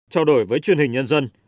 trao đổi với truyền hình nhân dân